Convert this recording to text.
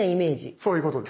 そういうことですね。